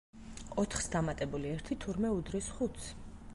ოთხს დამატებული ერთი თურმე უდრის ხუთს.